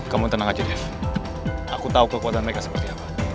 kamu tenang aja deh aku tahu kekuatan mereka seperti apa